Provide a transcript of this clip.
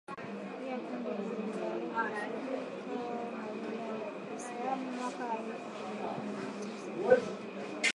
Pia kundi liliahidi ushirika na dola la kiislamu mwaka wa elfu mbili kumi na tisa.